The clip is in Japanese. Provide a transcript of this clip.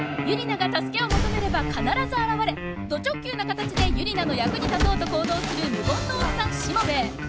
ユリナが助けを求めれば必ず現れド直球な形でユリナの役に立とうと行動する無言のオッサンしもべえ。